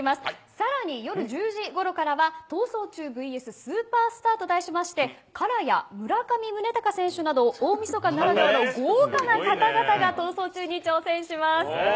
更に夜１０時ごろからは「逃走中ｖｓスーパースター」と題しましてＫＡＲＡや村上宗隆選手など大みそかならではの豪華な方々が「逃走中」に挑戦します。